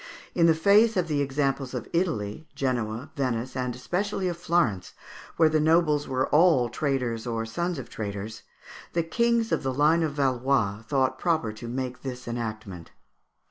In the face of the examples of Italy, Genoa, Venice, and especially of Florence, where the nobles were all traders or sons of traders, the kings of the line of Valois thought proper to make this enactment.